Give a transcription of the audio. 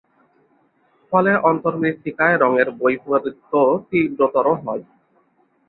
ফলে অন্তর্মৃত্তিকায় রঙের বৈপরীত্যও তীব্রতর হয়।